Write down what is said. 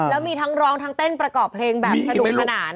แล้วมีทั้งร้องทั้งเต้นประกอบเพลงแบบสนุกสนาน